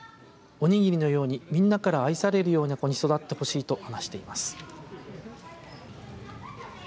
おにぎりのようにみんなから愛されるような子に育ってほしいと話しています。